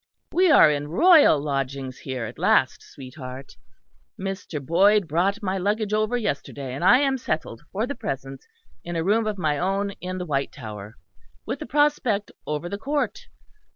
"We are in royal lodgings here at last, sweetheart; Mr. Boyd brought my luggage over yesterday; and I am settled for the present in a room of my own in the White Tower; with a prospect over the Court.